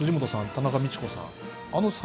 田中道子さん